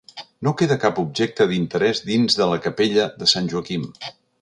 No queda cap objecte d'interés dins de la capella de sant Joaquim.